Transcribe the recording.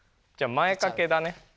じゃ前かけだね。